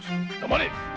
黙れ！